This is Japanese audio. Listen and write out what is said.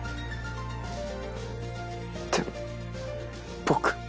でも僕。